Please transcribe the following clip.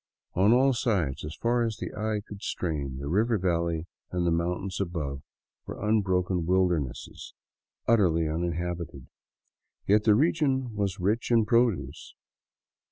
On all sides, as far as the eye could strain, the river valley and the mountains above were unbroken wilderness, utterly uninhabited. Yet the region was rich in produce.